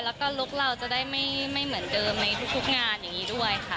แล้วก็ลุคเราจะได้ไม่เหมือนเดิมในทุกงานอย่างนี้ด้วยค่ะ